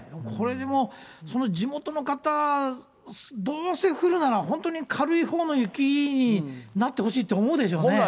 これでも、地元の方、どうせ降るなら、本当に軽いほうの雪になってほしいって、思うでしょうね。